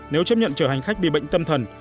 nếu chấp nhận chở hành khách bị bệnh tâm thần